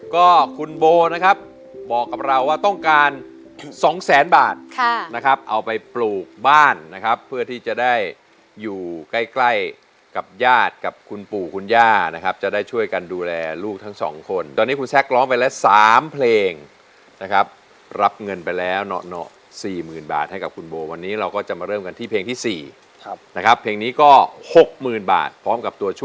ก็คุณโบนะครับบอกกับเราว่าต้องการ๒แสนบาทนะครับเอาไปปลูกบ้านนะครับเพื่อที่จะได้อยู่ใกล้ใกล้กับญาติกับคุณปู่คุณย่านะครับจะได้ช่วยกันดูแลลูกทั้งสองคนตอนนี้คุณแซคร้องไปแล้ว๓เพลงนะครับรับเงินไปแล้วเหนาะสี่หมื่นบาทให้กับคุณโบวันนี้เราก็จะมาเริ่มกันที่เพลงที่๔นะครับเพลงนี้ก็๖๐๐๐บาทพร้อมกับตัวช่วย